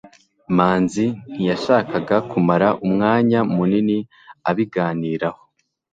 manzi ntiyashakaga kumara umwanya munini abiganiraho